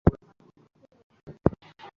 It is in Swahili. ile taarifa kuweza kutolewa ni kwamba